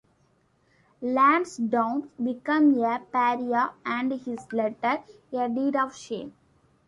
Lansdowne became a pariah and his letter "a deed of shame".